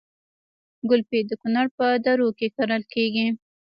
ګلپي د کونړ په درو کې کرل کیږي